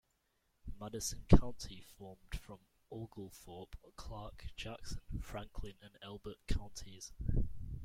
Madison County formed from Oglethorpe, Clarke, Jackson, Franklin and Elbert counties.